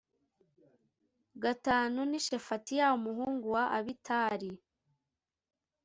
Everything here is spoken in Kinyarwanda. gatanu ni Shefatiya umuhungu wa Abitali